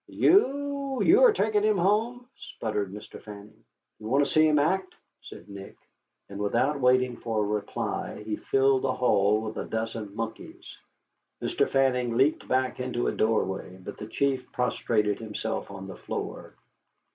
"You you are taking him home!" sputtered Mr. Fanning. "Do you want to see him act?" said Nick. And without waiting for a reply he filled the hall with a dozen monkeys. Mr. Fanning leaped back into a doorway, but the chief prostrated himself on the floor.